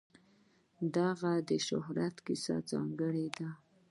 د هغه د شهرت کیسه ځانګړې ده.